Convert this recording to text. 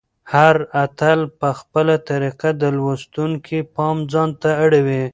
هر اتل په خپله طریقه د لوستونکي پام ځانته اړوي.